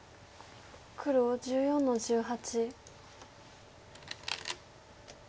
黒１４の十八。